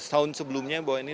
tahun sebelumnya bahwa ini